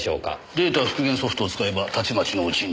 データ復元ソフトを使えばたちまちのうちに。